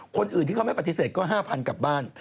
คนอื่นที่เขาไม่ปฏิเสธก็๕๐๐กลับบ้าน